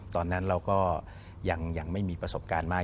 ตอนนั้นเราก็ยังไม่มีประสบการณ์มาก